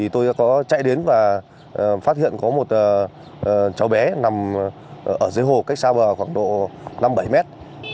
tôi có chạy đến và phát hiện có một cháu bé nằm ở dưới hồ cách xa bờ khoảng độ năm bảy mét